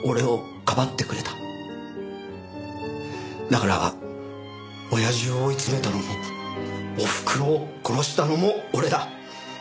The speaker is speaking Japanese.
だから親父を追い詰めたのもおふくろを殺したのも俺だ。